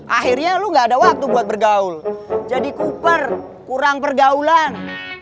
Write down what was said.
akhirnya lu gak ada waktu buat bergaul jadi cooper kurang pergaulan